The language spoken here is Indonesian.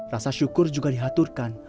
rasa syukur juga diaturkan